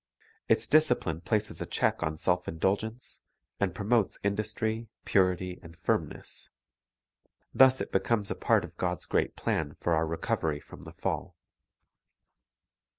Its disci pline places a check on self indulgence, and promotes industry, purity, and firmness. Thus it becomes a part of God's great plan for our recovery from the fall.